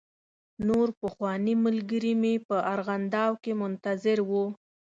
نور پخواني ملګري مې په ارغنداو کې منتظر و.